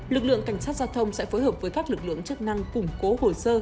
lực lượng cảnh sát giao thông sẽ phối hợp với các lực lượng chức năng củng cố hồ sơ